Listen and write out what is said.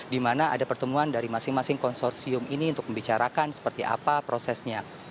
di mana ada pertemuan dari masing masing konsorsium ini untuk membicarakan seperti apa prosesnya